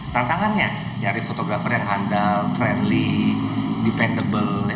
tantangannya nyari fotografer yang handal friendly depandable